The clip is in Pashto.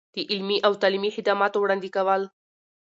د علمي او تعلیمي خدماتو وړاندې کول.